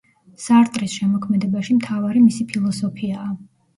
სარტრის შემოქმედებაში მთავარი მისი ფილოსოფიაა.